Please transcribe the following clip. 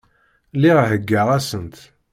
Lliɣ heggaɣ-asent.